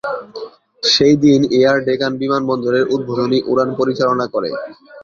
সেই দিন এয়ার ডেকান বিমানবন্দরের উদ্বোধনী উড়ান পরিচালনা করে।